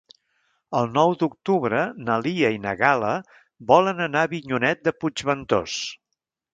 El nou d'octubre na Lia i na Gal·la volen anar a Avinyonet de Puigventós.